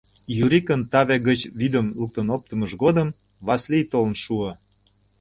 Юрикын таве гыч вӱдым луктын оптымыж годым Васлий толын шуо.